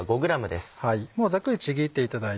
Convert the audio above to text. ざっくりちぎっていただいて。